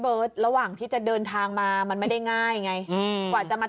เบิร์ตระหว่างที่จะเดินทางมามันไม่ได้ง่ายไงอืมกว่าจะมา